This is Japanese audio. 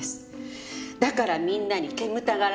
だからみんなに煙たがられるの。